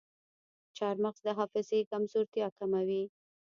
چارمغز د حافظې کمزورتیا کموي.